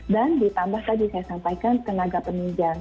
dan ditambah tadi saya sampaikan tenaga peninjang